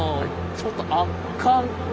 ちょっと圧巻！